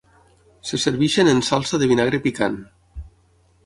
Se serveixen en salsa de vinagre picant.